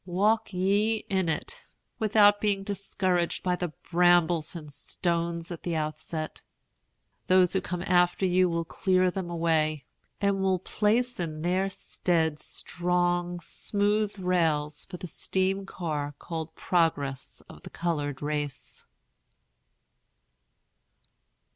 Walk ye in it, without being discouraged by the brambles and stones at the outset. Those who come after you will clear them away, and will place in their stead strong, smooth rails for the steam car called Progress of the Colored Race.